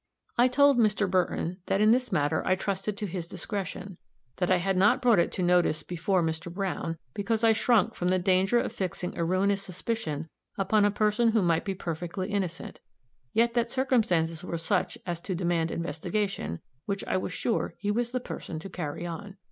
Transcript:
I told Mr. Burton that in this matter I trusted to his discretion; that I had not brought it to notice before Mr. Browne, because I shrunk from the danger of fixing a ruinous suspicion upon a person who might be perfectly innocent; yet that circumstances were such as to demand investigation, which I was sure he was the person to carry on.